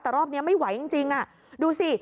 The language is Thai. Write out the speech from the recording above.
แต่รอบนี้ไม่ไหวจริงดูสิ